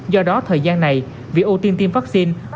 do đó thời gian này việc ưu tiên tiêm vaccine